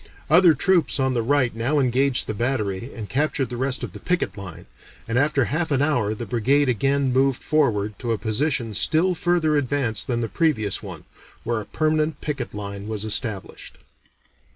Other troops on the right now engaged the battery and captured the rest of the picket line, and after half an hour the brigade again moved forward to a position still further advanced than the previous one, where a permanent picket line was established."